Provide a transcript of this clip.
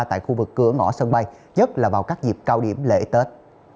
tại khu vực cửa ngõ sân bay nhất là vào các dịp cao điểm lễ tết